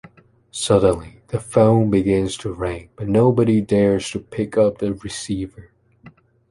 Suddenly, the phone begins to ring, but nobody dares to pick up the receiver.